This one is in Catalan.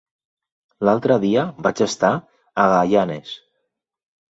L'altre dia vaig estar a Gaianes.